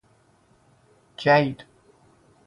جید